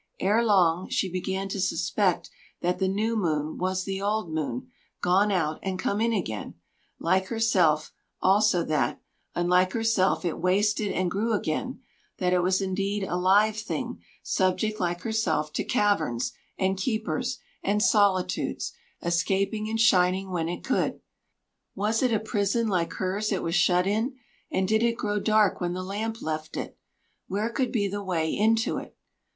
Ere long she began to suspect that the new moon was the old moon, gone out and come in again, like herself; also that, unlike herself, it wasted and grew again; that it was indeed a live thing, subject like herself to caverns, and keepers, and solitudes, escaping and shining when it could. Was it a prison like hers it was shut in? and did it grow dark when the lamp left it? Where could be the way into it?